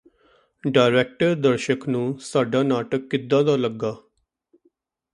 director ਦਰਸ਼ਕ ਨੂੰ ਸਾਡਾ ਨਾਟਕ ਕਿੱਦਾਂ ਦਾ ਲੱਗਾ